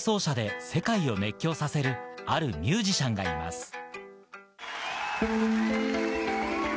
そのトンコリ奏者で世界を熱狂させる、あるミュージシャンがいます。